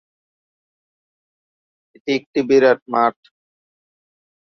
এটি একটি বিরাট মাঠ।